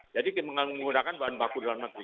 jadi menggunakan bahan baku dalam industri